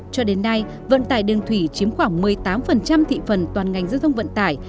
cho đến nay vận tải đường thủy chiếm khoảng một mươi tám thị phần toàn ngành giao thông vận tải